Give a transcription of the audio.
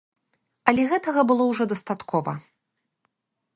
Але гэтага было ўжо дастаткова.